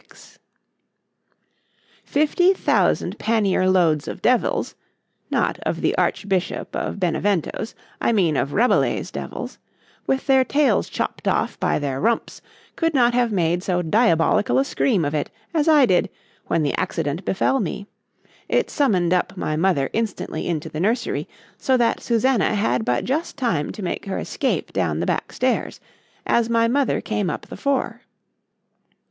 XXVI FIFTY thousand pannier loads of devils—(not of the Archbishop of Benevento's—I mean of Rabelais's devils), with their tails chopped off by their rumps, could not have made so diabolical a scream of it, as I did—when the accident befel me: it summoned up my mother instantly into the nursery,—so that Susannah had but just time to make her escape down the back stairs, as my mother came up the fore.